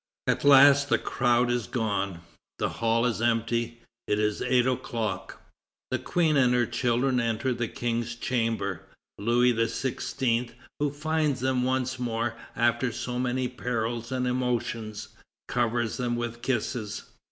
At last the crowd is gone. The hall is empty. It is eight o'clock. The Queen and her children enter the King's chamber. Louis XVI., who finds them once more after so many perils and emotions, covers them with kisses.